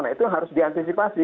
nah itu harus diantisipasi